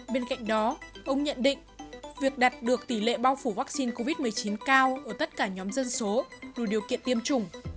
bên cạnh đó ông nhận định việc đạt được tỷ lệ bao phủ vaccine covid một mươi chín cao ở tất cả nhóm dân số đủ điều kiện tiêm chủng